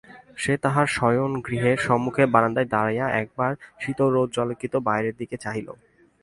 সে তাহার শয়নগৃহের সম্মুখের বারান্দায় দাঁড়াইয়া একবার শীতরৌদ্রালোকিত বাহিরের দিকে চাহিল।